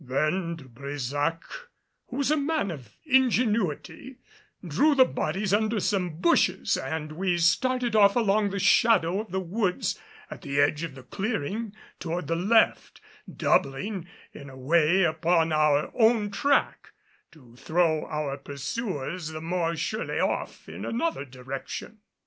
Then De Brésac, who was a man of ingenuity, drew the bodies under some bushes and we started off along in the shadow of the woods at the edge of the clearing toward the left doubling in a way upon our own track to throw our pursuers the more surely off in another direction.